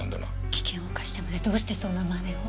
危険を冒してまでどうしてそんな真似を？